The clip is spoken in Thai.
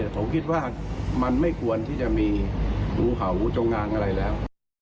ผมคิดว่ามันไม่ควรที่จะมีธุเขาธุเจ้างานอะไรแล้ว